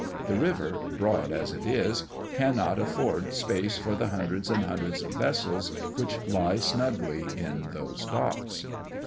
The river, broad as it is, cannot afford space for the hundreds and hundreds of vessels which lie snugly in those docks.